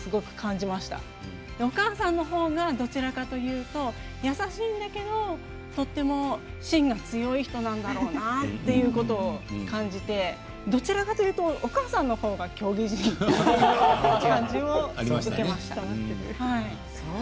お母さんのほうがどちらかというと優しいんだけど、とても芯が強い人なんだろうなということを感じてどちらかというとお母さんのほうが競技人っていう感じもありましたね。